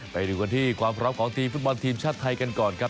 ไปดูกันที่ความพร้อมของทีมฟุตบอลทีมชาติไทยกันก่อนครับ